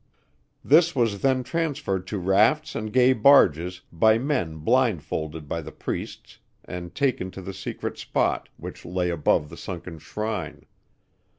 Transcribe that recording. This was then transferred to rafts and gay barges by men blindfolded by the priests and taken to the secret spot which lay above the sunken shrine.